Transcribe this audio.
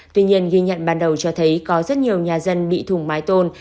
tuy nhiên ghi nhận ban đầu cho thấy có rất nhiều nhà dân bị thủng mái tôn